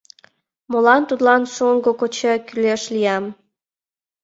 Молан тудлан шоҥго коча кӱлеш лиям?